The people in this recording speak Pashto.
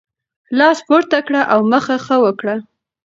لاس پورته کړه او مخه ښه وکړه.